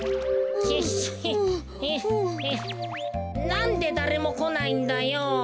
なんでだれもこないんだよ。